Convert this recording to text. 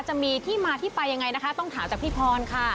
จะมีที่มาที่ไปยังไงนะคะต้องถามจากพี่พรค่ะ